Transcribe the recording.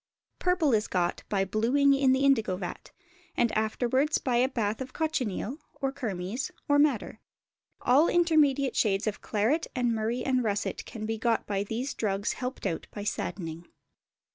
Purple is got by blueing in the indigo vat, and afterwards by a bath of cochineal, or kermes, or madder; all intermediate shades of claret and murrey and russet can be got by these drugs helped out by "saddening."